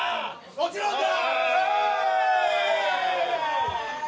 もちろんだ！